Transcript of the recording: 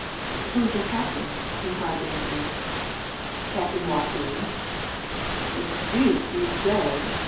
"Who is your captain?" inquired the engineer. "Captain Joaquin." "The deuce you say!